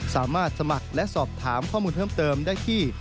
สามารถสมัครและสอบถามข้อมูลเพิ่มเติมได้ที่